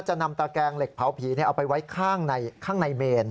จะนำตะแกงเหล็กเผาผีเอาไปไว้ข้างในเมน